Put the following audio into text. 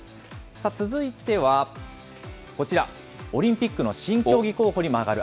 続いてはこちら、オリンピックの新競技候補にも挙がる